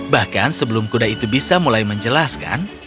bahkan sebelum kuda itu bisa mulai menjelaskan